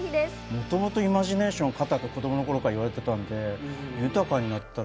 もともとイマジネーション高いと子供の頃から言われていたので、豊かになったら。